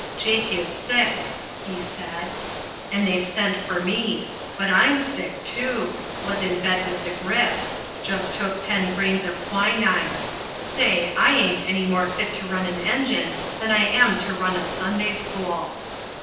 "Jake is sick," he said, "and they've sent for me. But I'm sick, too. Was in bed with the grip. Just took ten grains of quinine. Say, I ain't any more fit to run an engine than I am to run a Sunday school."